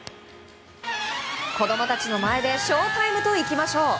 子供たちの前でショータイムといきましょう。